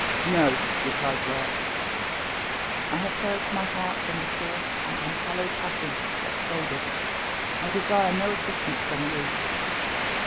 "No," replied Wyat, "I have purged my heart from the fierce and unhallowed passion that swayed it. I desire no assistance from you."